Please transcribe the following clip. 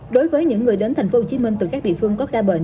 đối với những người đến thành phố hồ chí minh từ các địa phương có ca bệnh